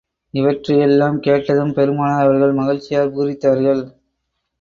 இவற்றை எல்லாம் கேட்டதும் பெருமானார் அவர்கள் மகிழ்ச்சியால் பூரித்தார்கள்.